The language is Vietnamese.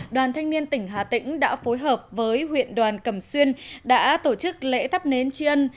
đoàn thanh niên tỉnh hà tĩnh đã phối hợp với huyện đoàn cẩm xuyên đã tổ chức lễ thắp nến tri ân